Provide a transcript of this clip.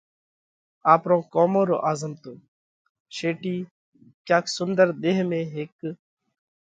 آپرون ڪرمون رو آزمتو: شيٽِي ڪياڪ سُنۮر ۮيه ۾ هيڪ